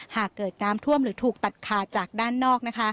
หากเกิดน้ำท่วมหรือถูกตัดขาดจากด้านนอก